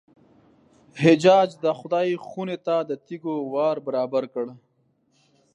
حجاج د خدای خونې ته د تېږو وار برابر کړی.